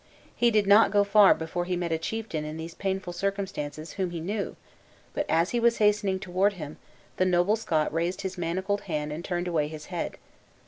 He did not go far before he met a chieftain in these painful circumstances whom he knew; but as he was hastening toward him, the noble Scot raised his manacled hand and turned away his head.